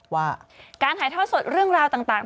ว่าการถ่ายทอดสดเรื่องราวต่าง